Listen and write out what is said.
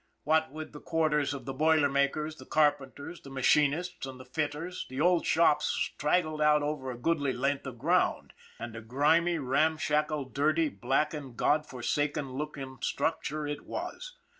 What with the quarters of the boiler makers, the car penters, the machinists and the fitters, the old shops straggled out over a goodly length of ground, and a grimy, ramshackle, dirty, blackened, Godforsaken looking structure it was.